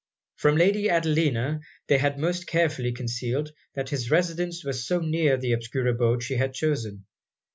From Lady Adelina, they had most carefully concealed, that his residence was so near the obscure abode she had chosen.